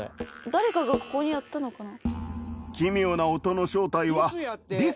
誰かがここにやったのかな。